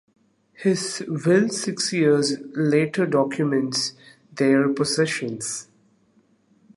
His will six years later documents their possessions.